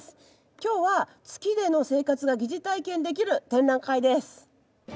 今日は月での生活が疑似体験できる展覧会です。